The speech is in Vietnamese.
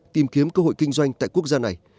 tìm kiếm cơ hội kinh doanh tại quốc gia này